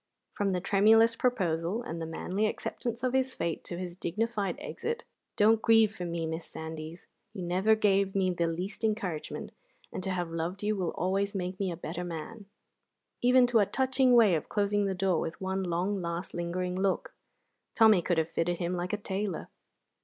From the tremulous proposal and the manly acceptance of his fate to his dignified exit ("Don't grieve for me, Miss Sandys; you never gave me the least encouragement, and to have loved you will always make me a better man"), even to a touching way of closing the door with one long, last, lingering look, Tommy could have fitted him like a tailor.